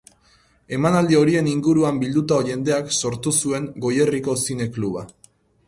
Emanaldi horien inguruan bildutako jendeak sortu zuen Goierriko zine-kluba.